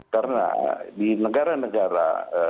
karena di negara negara